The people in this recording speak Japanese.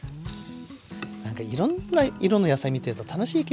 なんかいろんな色の野菜見てると楽しい気分になりますよね。